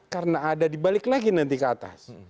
karena ada dibalik lagi nanti ke atas